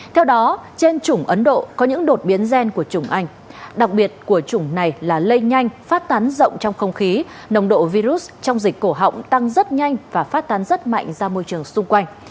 theo đó trên chủng ấn độ có những đột biến gen của chủng anh đặc biệt của chủng này là lây nhanh phát tán rộng trong không khí nồng độ virus trong dịch cổ họng tăng rất nhanh và phát tán rất mạnh ra môi trường xung quanh